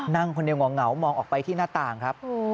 นั่งคนเดียวเหงามองออกไปที่หน้าต่างครับ